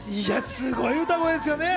すごい歌声ですね。